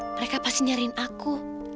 mereka pasti nyariin aku